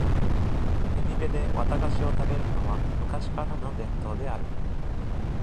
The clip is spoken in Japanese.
海辺で綿菓子を食べるのは昔からの伝統である